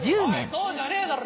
そうじゃねえだろ